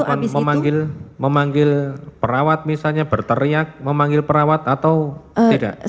atau memanggil perawat misalnya berteriak memanggil perawat atau tidak